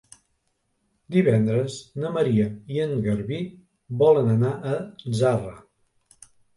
Divendres na Maria i en Garbí volen anar a Zarra.